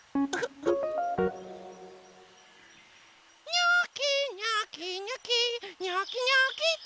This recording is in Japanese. にょきにょきにょきにょきにょきと！